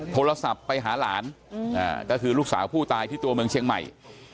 โทรศัพท์ไปหาหลานก็คือลูกสาวผู้ตายที่ตัวเมืองเชียงใหม่